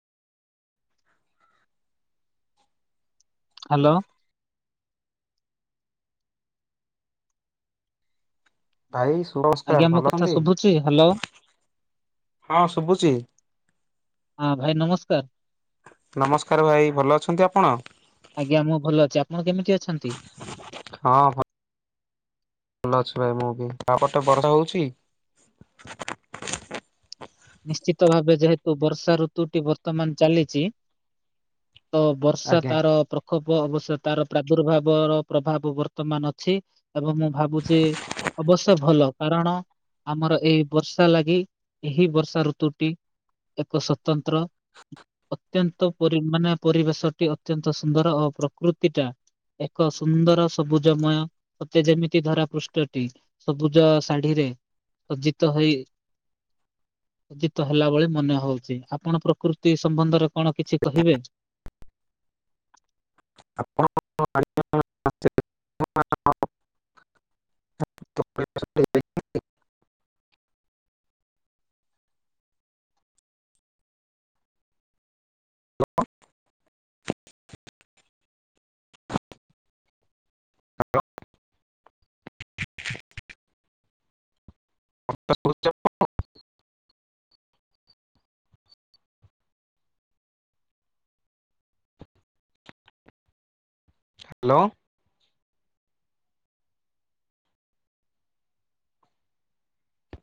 Hello. ଭାଇ ଆଜ୍ଞା ସୁନମସ୍କାର ମୋ ଭଲ କଥା ହନ୍ତି ଶୁଭୁଛି ହ୍ୟାଲୋ ହଁ ଶୁଭୁଛି। ହଁ ଭାଇ ନମସ୍କାର‌। ନମସ୍କାର ଭାଇ ଭଲ ଅଛନ୍ତି ଆପଣ? ଆଜ୍ଞା ମୁଁ ଭଲ ଅଛି ଆପଣ କେମିତି ଅଛନ୍ତି? ହଁ ଭଲ ଭଲ ଅଛି ଭାଇ ମୁଁ ବି ତାପଟେ ବର୍ଷା ହଉଛି। ନିଶ୍ଚିତ ଭାବେ ଯେହେତୁ ବର୍ଷା ଋତୁଟି ବର୍ତ୍ତମାନ ଚାଲିଚି ତ ବର୍ଷା ଆଜ୍ଞା। ତାର ପ୍ରକ ହବ, ହବ ଅବଶ୍ୟ ସେ ତାର ପ୍ରାଦୁର୍ଭାବର ପ୍ରଭାବ ବର୍ତ୍ତମାନ ଅଛି ଏବଂ ମୁଁ ଭାବୁଛି ଅବଶ୍ୟ ଭଲ କାରଣ ଆମର ଏଇ ବର୍ଷା ଲାଗି ଏହି ବର୍ଷା ଋତୁଟି ଏକ ସ୍ବତନ୍ତ୍ର ଅତ୍ୟନ୍ତ ପରି ମାନେ ପରିବେଶଟି ଅତ୍ୟନ୍ତ ସୁନ୍ଦର ଓ ପ୍ରକୃତି ଟା ଏକ ସୁନ୍ଦର ସବୁଜମୟ ସତେ ଯେମିତି ଧରା ପୃଷ୍ଠଟି ସବୁଜ ଶାଢୀରେ ସଜ୍ଜିତ ହେଇ ସଜ୍ଜିତ ହେଲା ଭଳି ମନେ ହଉଛି ଆପଣ ପ୍ରକୃତି ସମ୍ବନ୍ଧରେ କଣ କିଛି କହିବେ? ଆପଣ [unintelligible] ହ୍ୟାଲୋ। ହ୍ୟାଲୋ।